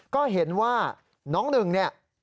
ก็เห็นว่าน้องหนึ่งเนี่ย